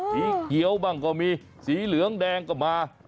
สีเขียวบ้างก็มีสีเหลืองแดงก็มา